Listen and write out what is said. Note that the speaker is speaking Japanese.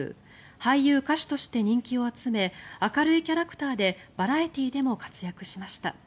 俳優・歌手として人気を集め明るいキャラクターでバラエティーでも活躍しました。